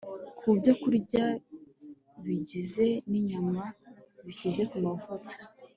ku byokurya bigizwe ninyama bikize ku mavuta